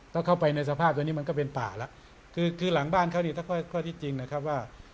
ถ้าเข้าไปในสภาพตัวนี้มันก็เป็นป่าแล้วคือคือหลังบ้านเขานี่ถ้าข้อที่จริงนะครับว่า